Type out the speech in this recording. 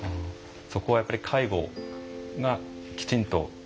そこはやっぱり介護がきちんと。